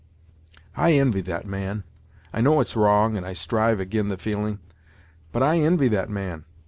"I invy that man! I know it's wrong, and I strive ag'in the feelin', but I invy that man!